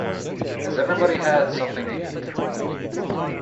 Has everybody had something to eat?